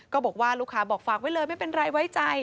ก็บอกว่าลูกค้าบอกฝากไว้เลยไม่เป็นไรไว้ใจ